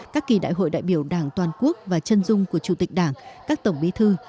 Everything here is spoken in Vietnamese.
các kỳ đại hội đại biểu đảng toàn quốc và chân dung của chủ tịch đảng các tổng bí thư